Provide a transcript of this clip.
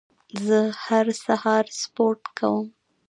زه هر سهار سپورت کوم.